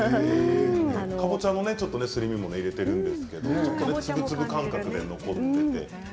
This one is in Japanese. かぼちゃのすり身も入れているんですけれども粒々感覚で残っていて。